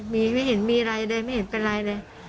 มีไม่เห็นมีอะไรเลยไม่เห็นเป็นไรเลย